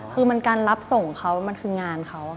คือมันการรับส่งเขามันคืองานเขา